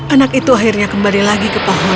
anak itu akhirnya kembali lagi ke pohon